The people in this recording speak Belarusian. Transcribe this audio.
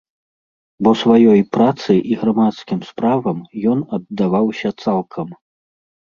Бо сваёй працы і грамадскім справам ён аддаваўся цалкам.